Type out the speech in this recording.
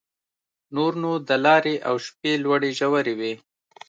نور نو د لارې او شپې لوړې ژورې وې.